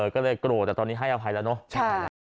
ก็เลยโกรธแต่ตอนนี้ให้อภัยแล้วเนอะ